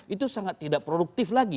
itu sangat tidak produktif lagi